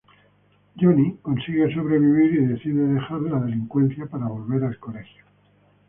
Johnnie consigue sobrevivir y decide dejar la delincuencia para volver al colegio.